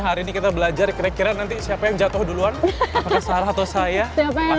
hari ini kita belajar kira kira nanti siapa yang jatuh duluan apakah sarah atau saya apa